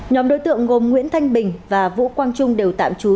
nhóm đối tượng gồm nguyễn thanh bình và vũ quang trung đều tạm trú